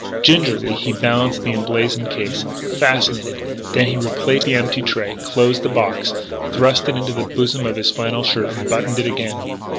Gingerly he balanced the emblazoned case, fascinated. Then he replaced the empty tray, closed the box, thrust it into the bosom of his flannel shirt and buttoned it in.